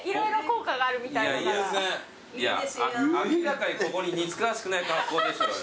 いや明らかにここに似つかわしくない格好でしょ。